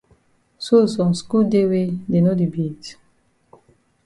So some skul dey wey dey no di beat?